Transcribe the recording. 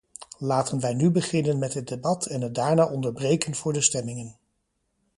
Laten wij nu beginnen met het debat en het daarna onderbreken voor de stemmingen.